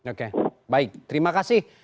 oke baik terima kasih